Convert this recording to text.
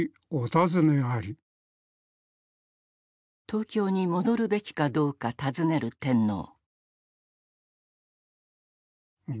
東京に戻るべきかどうか尋ねる天皇。